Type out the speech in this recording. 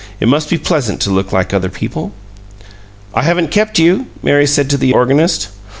It must be pleasant to look like other people." "I haven't kept you?" Mary said to the organist.